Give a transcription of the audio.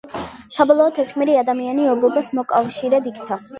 საბოლოოდ ეს გმირი ადამიანი ობობას მოკავშირედ იქცა.